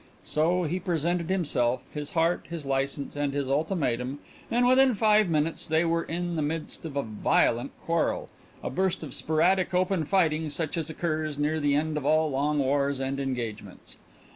So he presented himself, his heart, his license, and his ultimatum, and within five minutes they were in the midst of a violent quarrel, a burst of sporadic open fighting such as occurs near the end of all long wars and engagements.